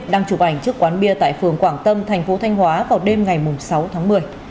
đang chụp ảnh trước quán bia tại phường quảng tâm thành phố thanh hóa vào đêm ngày sáu tháng một mươi